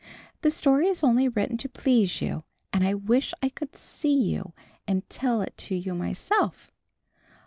The story is only written to please you and I wish I could see you and tell it to you myself.